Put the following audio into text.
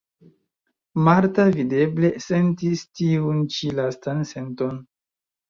Marta videble sentis tiun ĉi lastan senton.